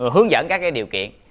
hướng dẫn các cái điều kiện